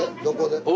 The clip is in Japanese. どこで？